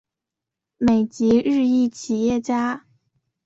美籍日裔企业家。